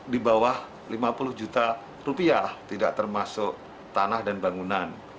di bawah lima puluh juta rupiah tidak termasuk tanah dan bangunan